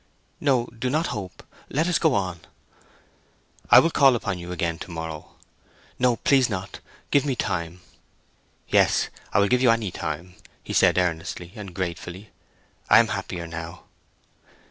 "No—do not hope! Let us go on." "I will call upon you again to morrow." "No—please not. Give me time." "Yes—I will give you any time," he said earnestly and gratefully. "I am happier now."